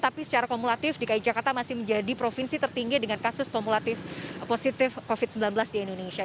tapi secara kumulatif dki jakarta masih menjadi provinsi tertinggi dengan kasus kumulatif positif covid sembilan belas di indonesia